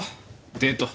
デート。